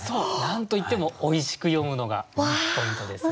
何と言ってもおいしく詠むのがポイントですね。